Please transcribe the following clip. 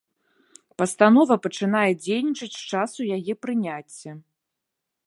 Пастанова пачынае дзейнічаць з часу яе прыняцця.